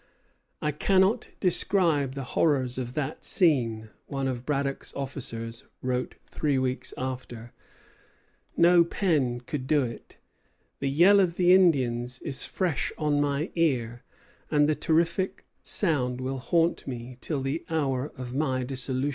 "I cannot describe the horrors of that scene," one of Braddock's officers wrote three weeks after; "no pen could do it. The yell of the Indians is fresh on my ear, and the terrific sound will haunt me till the hour of my dissolution."